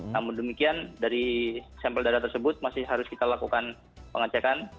namun demikian dari sampel darah tersebut masih harus kita lakukan pengecekan